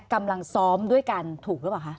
กำลังซ้อมด้วยกันถูกหรือเปล่าคะ